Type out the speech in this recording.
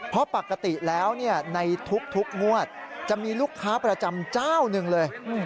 เพราะปกติแล้วในทุกงวดจะมีลูกค้าประจำเจ้าหนึ่งเลย